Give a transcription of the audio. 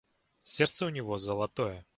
Сердце у него золотое.